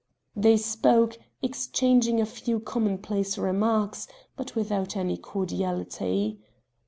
They spoke exchanging a few commonplace remarks, but without any cordiality.